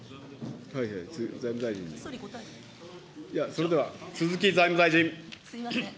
それでは鈴木財務大臣。